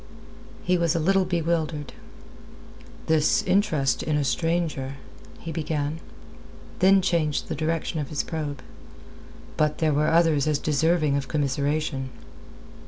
He was a little bewildered. "This interest in a stranger..." he began. Then changed the direction of his probe. "But there were others as deserving of commiseration."